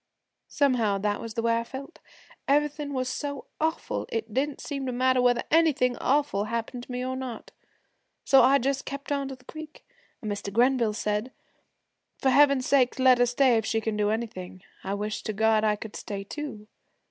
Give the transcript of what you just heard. Somehow that was the way I felt. Everything was so awful it didn't seem to matter whether anything awful happened to me or not. So I just kept on to the creek, and Mr. Grenville said, "For Heaven's sake, let her stay if she can do anything. I wish to God I could stay too."